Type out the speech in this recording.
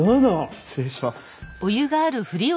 失礼します。